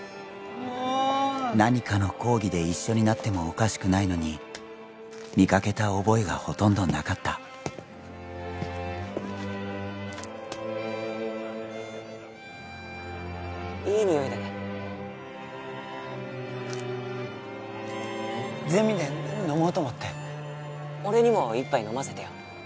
もう何かの講義で一緒になってもおかしくないのに見かけた覚えがほとんどなかったいい匂いだねゼミで飲もうと思って俺にも１杯飲ませてよ